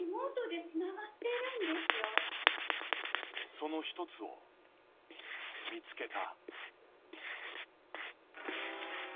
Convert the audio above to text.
そのひとつを見つけた。